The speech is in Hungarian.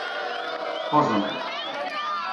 Haza megy.